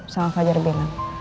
sama fajar bilang